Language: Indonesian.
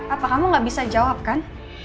apa kamu gak bisa jawab kan